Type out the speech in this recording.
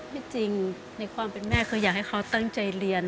ไม่จริงในความเป็นแม่คืออยากให้เขาตั้งใจเรียน